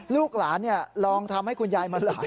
ลูกหลานลองทำให้คุณยายมาหลาย